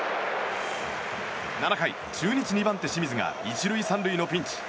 中日２番手、清水が１塁３塁のピンチ。